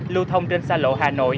lưu thông trên xa lộ hà nội